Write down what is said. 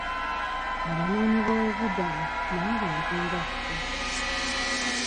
Abanoonyibobubudamu nabo bantu nga ffe.